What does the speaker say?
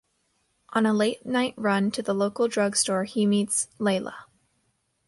On a late night run to the local drug store he meets Leilah.